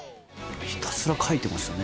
ひたすら書いてましたね。